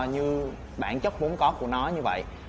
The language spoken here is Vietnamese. như bản chất vốn có của nó như vậy